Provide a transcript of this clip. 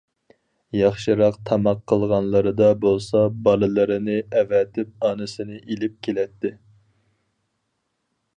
ياخشىراق تاماق قىلغانلىرىدا بولسا بالىلىرىنى ئەۋەتىپ ئانىسىنى ئېلىپ كېلەتتى.